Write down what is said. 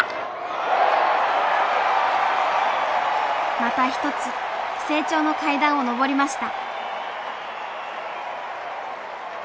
また一つ成長の階段を上りました。